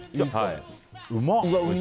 うまっ！